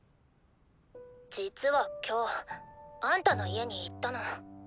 実は今日あんたの家に行ったの。